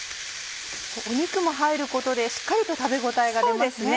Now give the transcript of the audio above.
肉も入ることでしっかりと食べ応えが出ますね。